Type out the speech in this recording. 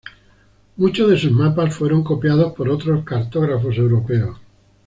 Muchos de sus mapas fueron copiados por otros cartógrafos europeos.